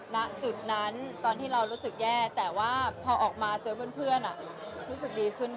ณจุดนั้นตอนที่เรารู้สึกแย่แต่ว่าพอออกมาเจอเพื่อนรู้สึกดีขึ้น